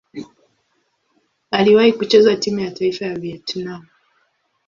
Aliwahi kucheza timu ya taifa ya Vietnam.